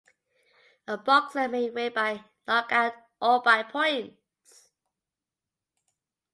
A boxer may win by knockout or by points.